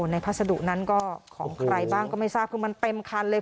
พัสดุนั้นก็ของใครบ้างก็ไม่ทราบคือมันเต็มคันเลย